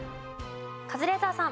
カズレーザーさん。